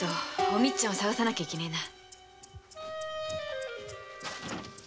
お光ちゃんを捜さなきゃいけねぇな。